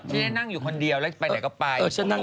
นี่นั่งอยู่คนเดียวแล้วจะไปไหนก็ไป